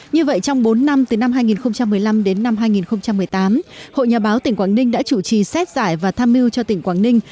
như vậy trong bốn năm từ năm hai nghìn một mươi năm đến năm hai nghìn một mươi tám hội nhà báo tỉnh quảng ninh đã chủ trì xét giải và tham mưu cho tỉnh quảng ninh